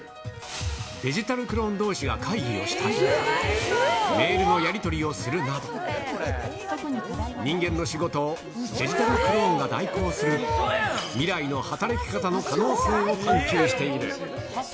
デジタルクローンどうしが会議をしたり、メールのやり取りをするなど、人間の仕事をデジタルクローンが代行する、未来の働き方の可能性を研究している。